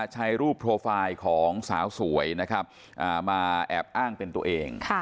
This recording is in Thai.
ใช้รูปโปรไฟล์ของสาวสวยนะครับมาแอบอ้างเป็นตัวเอง